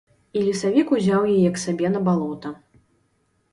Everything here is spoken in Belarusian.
І лесавік узяў яе к сабе на балота.